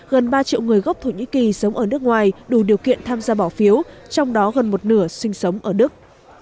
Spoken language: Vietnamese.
gần ba triệu người gốc thổ nhĩ kỳ sống ở nước ngoài đủ điều kiện tham gia bỏ phiếu trong đó gần một nửa sinh sống ở đức